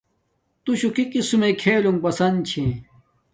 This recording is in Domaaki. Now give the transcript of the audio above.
تو شوہ کی قسم میݵ کیھلونݣ پسند چھے